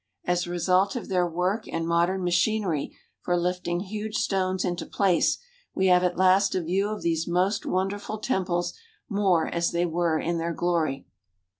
As a result of their work and modern machinery for lifting huge stones into place we have at last a view of these most wonderful temples more as they were in their glory.